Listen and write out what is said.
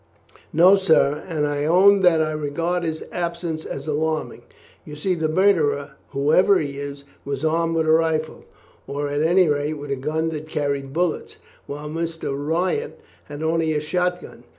"No, sir; and I own that I regard his absence as alarming. You see the murderer, whoever he is, was armed with a rifle, or at any rate with a gun that carried bullets, while Mr. Wyatt had only a shot gun.